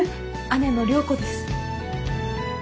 姉の良子です。